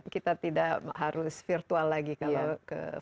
kita tidak harus virtual lagi kalau ke